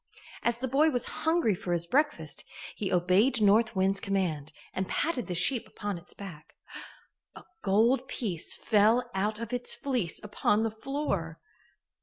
As the boy was hungry for his breakfast, he obeyed North Wind's command and patted the sheep upon its back. A gold piece fell out of its fleece upon the floor.